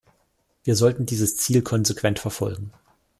Wir sollten dieses Ziel konsequent verfolgen.